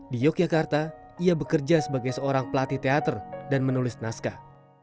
di yogyakarta ia bekerja sebagai seorang pelatih teater dan menulis naskah